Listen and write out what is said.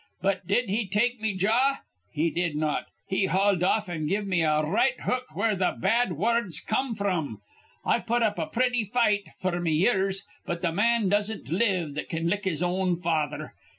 But did he take me jaw? He did not. He hauled off, an' give me a r right hook where th' bad wurruds come fr'm. I put up a pretty fight, f'r me years; but th' man doesn't live that can lick his own father.